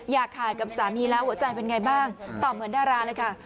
อยากขายกับสามีแล้วหัวใจเป็นไงบ้างตอบเหมือนดาราเลยค่ะ